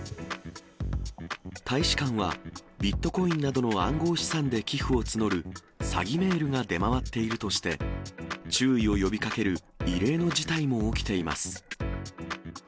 大使館は、ビットコインなどの暗号資産で寄付を募る詐欺メールが出回っているとして、注意を呼びかける異例の事態も起きています。